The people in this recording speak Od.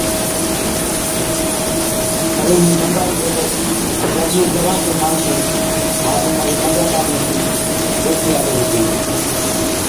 پَر اِميهن بنگالِي جبل ائُون جابلُون تران چين ماڻسين ها بِيمارِي پنجاپا ۾ بِي گيهٿِي آلين هِتين۔